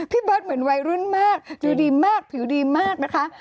เบิร์ตเหมือนวัยรุ่นมากผิวดีมากผิวดีมากนะคะ